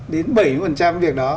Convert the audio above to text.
đến bảy mươi việc đó